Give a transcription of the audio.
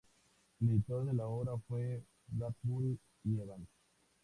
El editor de la obra fue Bradbury y Evans.